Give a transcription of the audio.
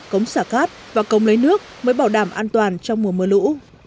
cống xả cát và cống lấy nước mới bảo đảm an toàn trong mùa mưa lũ